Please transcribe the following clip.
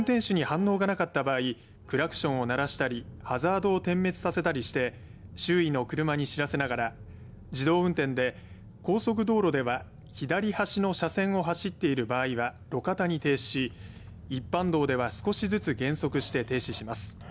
運転手に反応がなかった場合クラクションを鳴らしたりハザードを点滅させたりして周囲の車に知らせながら自動運転で高速道路では左端の車線を走っている場合は路肩に停止し一般道では少しずつ減速して停止します。